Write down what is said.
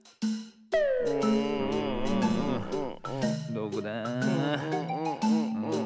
どこだ。